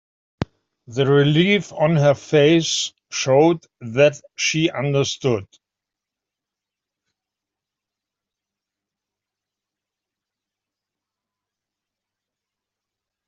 The relief on her face showed that she understood.